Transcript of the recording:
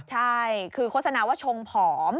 ใช่คือโฆษณาว่าชงผอม